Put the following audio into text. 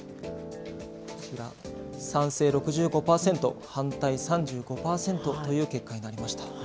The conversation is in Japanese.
こちら、賛成６５％、反対３５％という結果になりました。